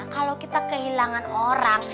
kalau kita kehilangan orang